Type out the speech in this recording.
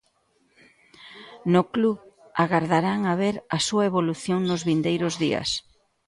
No club agardarán a ver a súa evolución nos vindeiros días.